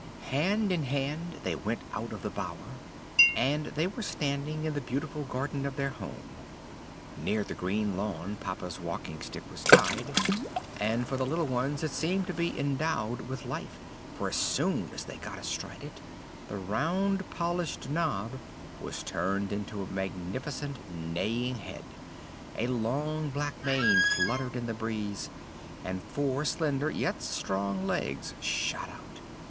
Hand in hand they went out of the bower, and they were standing in the beautiful garden of their home. Near the green lawn papa's walking stick was tied, and for the little ones it seemed to be endowed with life; for as soon as they got astride it, the round polished knob was turned into a magnificent neighing head, a long black mane fluttered in the breeze, and four slender yet strong legs shot out.